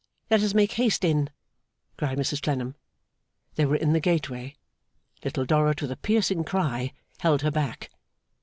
Let us make haste in,' cried Mrs Clennam. They were in the gateway. Little Dorrit, with a piercing cry, held her back.